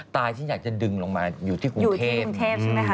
ที่อยากจะดึงลงมาอยู่ที่กรุงเทพใช่ไหมคะ